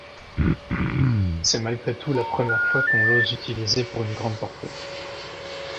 C’est malgré tout la première fois qu’on ose l’utiliser pour une grande portée.